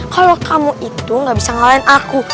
kalau kamu itu gak bisa ngalahin aku